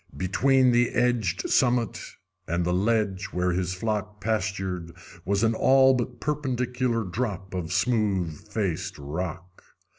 Between the edged summit and the ledge where his flock pastured was an all but perpendicular drop of smooth faced rock.